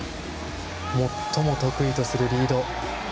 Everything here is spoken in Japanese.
最も得意とするリード。